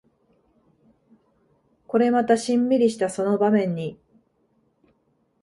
これまたシンミリしたその場面に